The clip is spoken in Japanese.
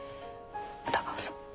宇田川さん